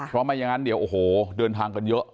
เพราะไม่อย่างนั้นเดี๋ยวโอ้โหเดินทางกันเยอะ